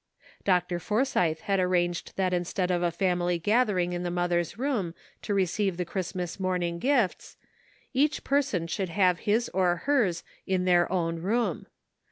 Dr. Forsythe had arranged that instead of a family gathering in the mother's room to receive the Christmas morning gifts, each person should have his ©r hers in their own room.